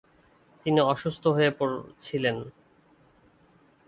তিনি অসুস্থ হয়ে পড়ছিলেন।